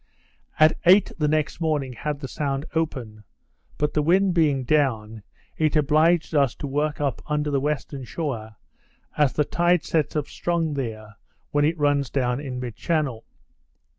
At eight the next morning, had the sound open; but the wind being down, it obliged us to work up under the western shore, as the tide sets up strong there, when it runs down in mid channel.